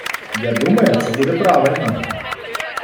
Я думаю, це буде правильно.